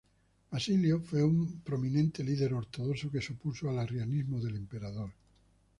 Basilio fue un prominente líder ortodoxo que se opuso al arrianismo del emperador.